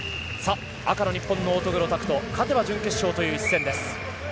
赤の日本の乙黒拓斗勝てば準決勝という一戦です。